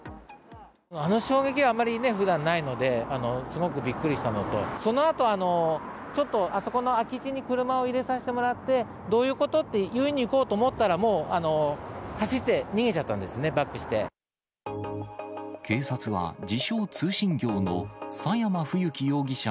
あの衝撃は、あんまりふだんないので、すごくびっくりしたのと、そのあと、ちょっとあそこの空き地に車を入れさせてもらって、どういうこと？って言いにいこうと思ったら、もう走って逃げちゃ警察は、自称通信業の佐山冬樹容疑者